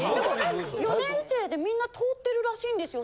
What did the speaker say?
４年生でみんな通ってるらしいんですよ